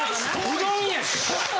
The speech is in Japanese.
うどんやし。